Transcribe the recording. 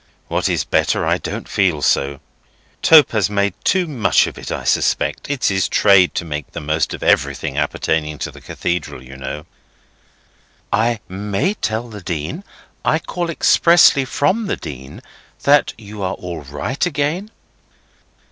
What is better, I don't feel so. Tope has made too much of it, I suspect. It's his trade to make the most of everything appertaining to the Cathedral, you know." "I may tell the Dean—I call expressly from the Dean—that you are all right again?"